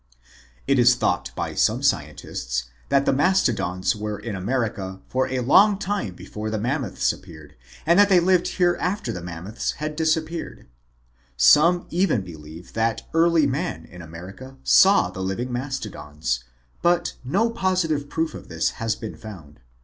It is thought by some scientists that the Masto dons were in America for a long time before the Mammoths appeared and that they lived here after the Mammoths had disappeared. Some even believe that early man in America saw the living Mastodons, but no positive proof of this has been found.